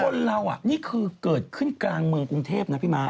คนเรานี่คือเกิดขึ้นกลางเมืองกรุงเทพนะพี่ม้า